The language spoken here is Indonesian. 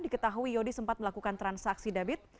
diketahui yodi sempat melakukan transaksi debit